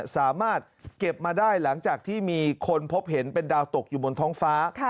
สามารถเก็บมาได้หลังจากที่มีคนพบเห็นเป็นดาวตกอยู่บนท้องฟ้า